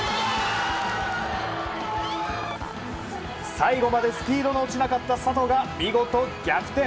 最後までスピードの落ちなかった佐藤が見事、逆転。